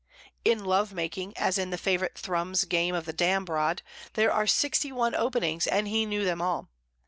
In love making, as in the favourite Thrums game of the dambrod, there are sixty one openings, and he knew them all.